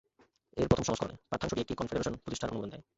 এর প্রথম সংস্করণে, পাঠ্যাংশটি একটি কনফেডারেশন প্রতিষ্ঠার অনুমোদন দেয়।